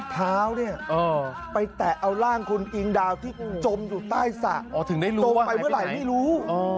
เท้าเนี่ยไปแตะเอาร่างคุณอิงดาวที่จมอยู่ใต้สระจมไปเมื่อไหร่ไม่รู้